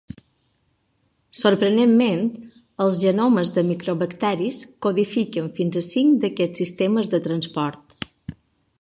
Sorprenentment, els genomes dels micobacteris codifiquen fins a cinc d'aquests sistemes de transport.